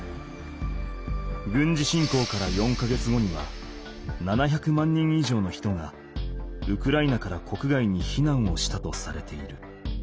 軍事侵攻から４か月後には７００万人以上の人がウクライナから国外に避難をしたとされている。